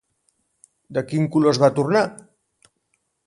De quin color es va tornar?